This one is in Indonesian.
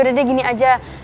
yaudah deh gini aja